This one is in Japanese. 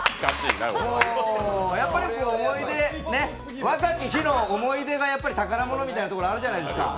やっぱり思い出、若き日の思い出が宝物みたいなところあるじゃないですか。